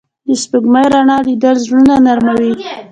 د سپوږمۍ رڼا لیدل زړونه نرموي